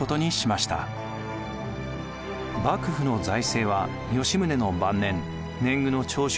幕府の財政は吉宗の晩年年貢の徴収